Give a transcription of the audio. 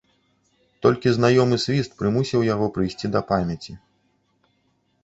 Толькі знаёмы свіст прымусіў яго прыйсці да памяці.